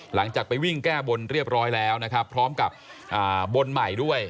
หลังจากไปวิ่งแก้บนเรียบร้อยแล้วนะครับพร้อมกับบนใหม่ด้วย